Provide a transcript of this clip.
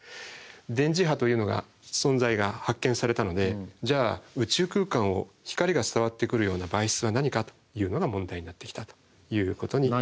電磁波というのが存在が発見されたのでじゃあ宇宙空間を光が伝わってくるような媒質は何かというのが問題になってきたということになります。